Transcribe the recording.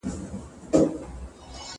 کمپيوټر د دفتر کار اسانوي.